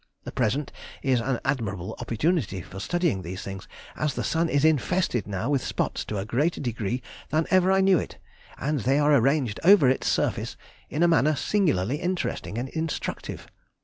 The present is an admirable opportunity for studying these things, as the sun is infested now with spots to a greater degree than ever I knew it, and they are arranged over its surface in a manner singularly interesting and instructive.